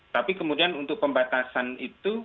tapi kemudian untuk pembatasan itu